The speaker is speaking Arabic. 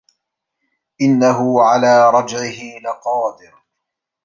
إِنَّهُ عَلى رَجعِهِ لَقادِرٌ